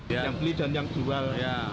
yang beli dan yang jual